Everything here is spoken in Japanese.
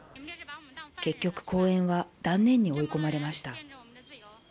結局、講演は断念に追い込まれました。